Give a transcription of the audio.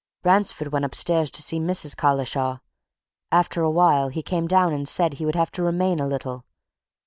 Ransford went upstairs to see Mrs. Collishaw. After a while he came down and said he would have to remain a little.